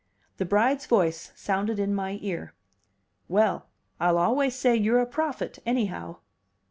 The bride's voice sounded in my ear. "Well, I'll always say you're a prophet, anyhow!"